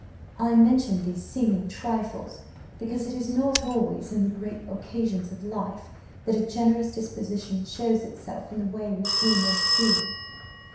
"I mention these seeming trifles because it is not always in the great occasions of life that a generous disposition shows itself in the way which we most feel.